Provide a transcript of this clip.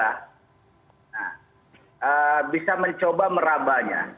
nah bisa mencoba merabahnya